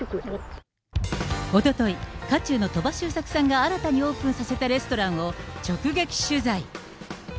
おととい、渦中の鳥羽周作さんが新たにオープンさせたレストランを直撃取材。